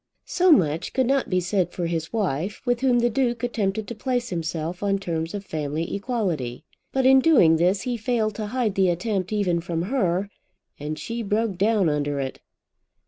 So much could not be said for his wife, with whom the Duke attempted to place himself on terms of family equality. But in doing this he failed to hide the attempt even from her, and she broke down under it.